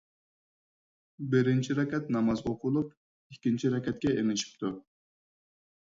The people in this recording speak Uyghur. بىرىنچى رەكەت ناماز ئوقۇلۇپ، ئىككىنچى رەكەتكە ئېڭىشىپتۇ.